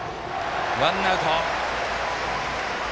ワンアウト。